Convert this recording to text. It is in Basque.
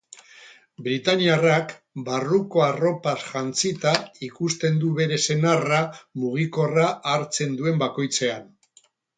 Britainiarrak barruko arropaz jantzita ikusten du bere senarra mugikorra hartzen duen bakoitzean.